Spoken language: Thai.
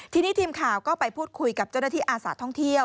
ทีนี้ทีมข่าวก็ไปพูดคุยกับเจ้าหน้าที่อาสาท่องเที่ยว